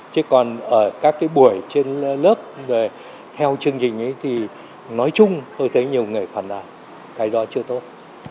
chứ còn ở các cái buổi trên lớp theo chương trình thì nói chung tôi thấy nhiều người phản ảnh cái đó chưa tốt